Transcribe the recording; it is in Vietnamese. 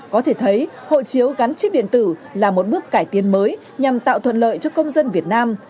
có thể thấy hộ chiếu gắn chip điện tử là một bước cải tiến mới nhằm tạo thuận lợi cho công dân việt nam